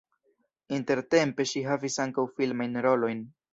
Intertempe ŝi havis ankaŭ filmajn rolojn.